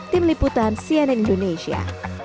tim liputan cnn indonesia